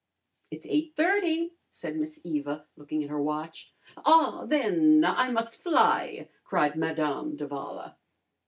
"It's 8:30," said Miss Eva, looking at her watch. "Ah, then I must fly," cried Madame d'Avala.